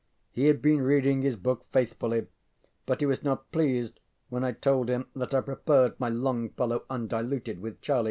He had been reading his book faithfully, but he was not pleased when I told him that I preferred my Longfellow undiluted with Charlie.